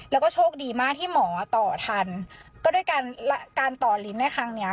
แล้วก็โชคดีมากที่หมอต่อทันก็ด้วยการการต่อลิ้นในครั้งเนี้ย